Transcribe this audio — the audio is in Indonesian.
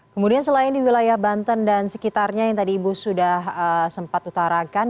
kemudian selain di wilayah banten dan sekitarnya yang tadi ibu sudah sempat utarakan